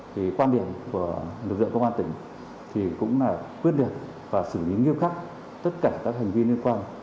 thì quan điểm của lực lượng công an tỉnh thì cũng là quyết liệt và xử lý nghiêm khắc tất cả các hành vi liên quan